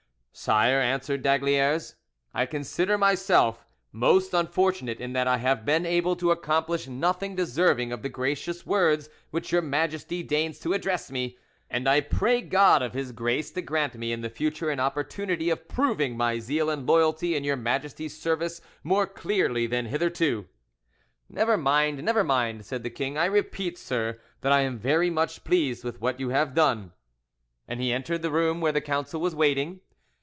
"Sire," answered d'Aygaliers, "I consider myself most unfortunate in that I have been able to accomplish nothing deserving of the gracious words which your Majesty deigns to address me, and I pray God of His grace to grant me in the future an opportunity of proving my zeal and loyalty in your Majesty's service more clearly than hitherto." "Never mind, never mind," said the king. "I repeat, sir, that I am very much pleased with what you have done." And he entered the room where the council was waiting.